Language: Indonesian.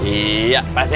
iya pas ya